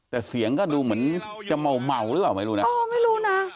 แต่เสียงก็ดูเหมือนจะเมาเมาหรือเปล่าไม่รู้นะเออไม่รู้นะ